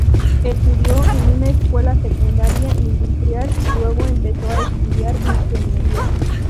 Estudió en una escuela secundaria industrial y luego empezó a estudiar Ingeniería.